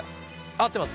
合ってます。